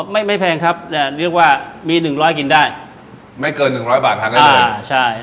อ๋อไม่แพงครับเรียกว่ามีหนึ่งร้อยกินได้ไม่เกินหนึ่งร้อยบาททานได้เลยใช่